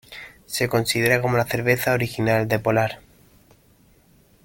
Se considera como la cerveza original de polar.